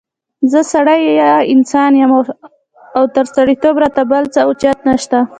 زه سړی یا انسان يم او تر سړیتوبه را ته بل څه اوچت نشته